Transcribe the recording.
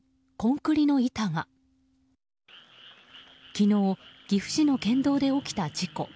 昨日、岐阜市の県道で起きた事故。